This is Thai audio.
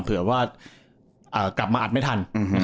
เผื่อว่ากลับมาอัดไม่ทัน